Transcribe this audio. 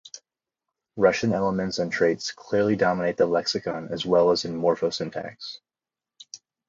Russian elements and traits clearly dominate in the lexicon as well as in morphosyntax.